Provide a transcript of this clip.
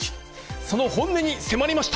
その本音に迫りました。